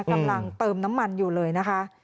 กำลังเติมน้ำมันอยู่เลยนะคะ